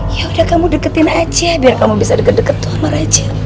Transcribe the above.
yaudah kamu deketin aja biar kamu bisa deket deket sama raja